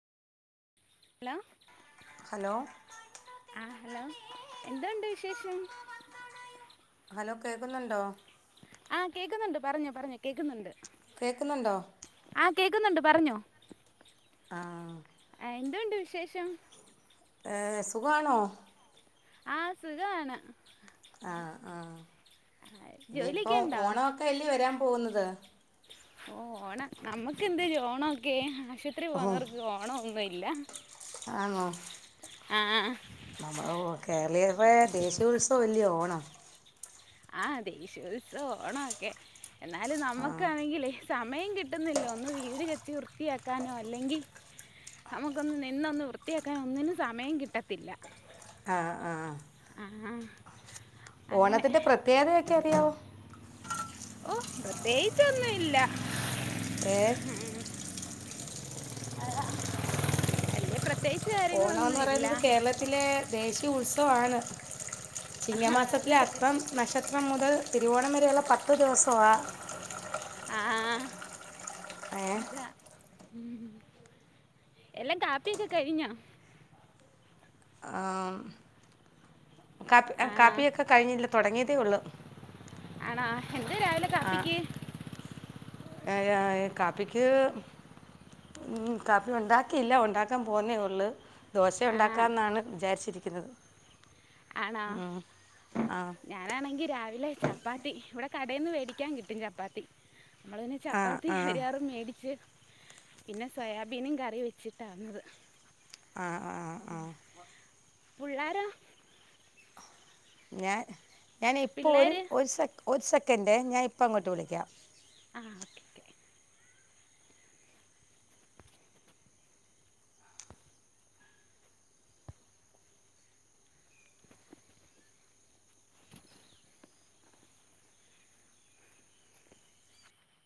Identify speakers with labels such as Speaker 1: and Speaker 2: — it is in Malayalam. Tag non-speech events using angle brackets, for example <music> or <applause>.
Speaker 1: ഹലോ?
Speaker 2: ഹലോ?
Speaker 1: ആഹ് ഹലോ എന്തുണ്ട് വിശേഷം.
Speaker 2: ഹലോ കേൾക്കുന്നുണ്ടോ?
Speaker 1: ആഹ് കേക്കുന്നുണ്ട് പറഞ്ഞോ പറഞ്ഞോ കേക്കുന്നുണ്ട്
Speaker 2: കേക്കുന്നുണ്ടോ
Speaker 1: ആഹ് കേക്കുന്നുണ്ട് പറഞ്ഞോ
Speaker 2: ആഹ്
Speaker 1: ആഹ് എന്തുണ്ട് വിശേഷം
Speaker 2: ആഹ് സുഖണോ
Speaker 1: ആഹ് സുഖാണ്
Speaker 2: ആഹ് ആഹ് ഇനിയിപ്പോ
Speaker 1: ജോലിയൊക്കെ ഉണ്ടോ
Speaker 2: ഓണൊക്കെല്ലേ വരാൻ പോവുന്നത്
Speaker 1: ഓ ഓണം നമ്മുക്ക് എന്തര് ഓണക്കെ ആശ് പത്രി
Speaker 2: ഓ
Speaker 1: പോകുന്നവർക്ക് ഓണംന്നുല്ല ആഹ്
Speaker 2: നമ്മടെ ഓ കേരളീയർടെ ദേശീയോത്സവം അല്ലേ ഓണം
Speaker 1: ആഹ് ദേശീയോത്സവം ഓണംക്കെ എന്നാലും
Speaker 2: ആ
Speaker 1: നമ്മുക്കാണെങ്കിലേ സമയം കിട്ടുന്നില്ല ഒന്ന് വീട് ചെത്തി വൃത്തിയാക്കാനോ അല്ലെങ്കി നമുക്കൊന്ന് നിന്നൊന്ന് വൃത്തിയാക്കാൻ ഒന്നിനും സമയം കിട്ടത്തില്ല
Speaker 2: ആഹ് ആഹ്
Speaker 1: ആഹ് ആഹ്
Speaker 2: ഓണത്തിന്റെ പ്രത്യേകതയൊക്കെ അറിയാവോ?
Speaker 1: ഓ പ്രത്യേകിച്ചൊന്നും ഇല്ല
Speaker 2: ഏ
Speaker 1: അല്ല പ്രത്യേകിച്ച്
Speaker 2: ഓണോന്ന്
Speaker 1: കാര്യങ്ങളൊന്നുമില്ല
Speaker 2: പറയുന്നത് കേരളത്തിലെ ദേശീ യ ഉത്സവമാണ്.
Speaker 1: ആ, അതെ
Speaker 2: ചിങ്ങമാസത്തിലെ
Speaker 1: അതെ
Speaker 2: അത്തം നക്ഷത്രം മുതൽ തിരുവോണം വരെയുള്ള പത്ത് ദിവസ ആ
Speaker 1: ആ അ ഉം എല്ലാം കാപ്പിയൊക്കെ കഴിഞ്ഞോ?
Speaker 2: ആ കാപ്പി
Speaker 1: ആണോ
Speaker 2: കാപ്പിയൊക്കെ കഴിഞ്ഞില്ല തുടങ്ങിയിട്ടേ ഉള്ളു
Speaker 1: ആണാ എന്ത് രാവിലെ
Speaker 2: ആ
Speaker 1: കാപ്പിക്ക്?
Speaker 2: കാപ്പിക്ക്? ഉം കാപ്പി ഉണ്ടാക്കിയില്ല ഉണ്ടാക്കാൻ പോവുന്നേ ഉള്ളൂ ദോശ
Speaker 1: ആ
Speaker 2: ഉണ്ടാക്കാന്നാണ് വിചാരിച്ചിരിക്കുന്നത്.
Speaker 1: ആണോ?
Speaker 2: ഉം. ആ
Speaker 1: ഞാനാണെങ്കി രാവിലെ ചപ്പാത്തി ഇവിടെ കടയിൽ നിന്ന് മേടിക്കാൻ കിട്ടും ചപ്പാത്തി. നമ്മള് പിന്നെ
Speaker 2: ആ
Speaker 1: ചപ്പാത്തി
Speaker 2: ആ
Speaker 1: <unintelligible> മേടിച്ച് പിന്നെ സോയാബീനും കറി വെച്ചിട്ടാ വന്നത്.
Speaker 2: ആ ആ ആ ആ
Speaker 1: പുള്ളാരോ?
Speaker 2: ഞാൻ ഞാനിപ്പോ ഒരു
Speaker 1: പിള്ളേർ
Speaker 2: ഒരു സെ ഒരു സെക്കൻഡ് ഞാൻ ഇപ്പോ അങ്ങോട്ട് വിളിക്കാം.
Speaker 1: ആ ഓക്കെ ഓക്കെ.